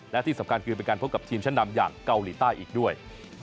และที่สำคัญคือเป็นการพบกับทีมชั้นนำอย่างเกาหลีใต้อีกด้วย